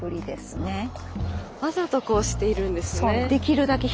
わざとこうしているんですね。